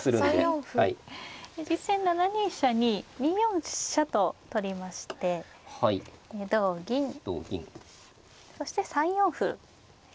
実戦７二飛車に２四飛車と取りまして同銀そして３四歩ですね。